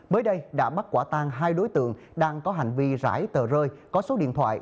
mới đây đã bắt quả tang hai đối tượng đang có hành vi rải tờ rơi có số điện thoại